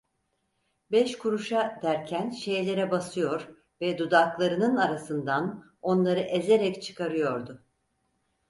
"Beş kuruşa!" derken "ş"lere basıyor ve dudaklarının arasından onları ezerek çıkarıyordu.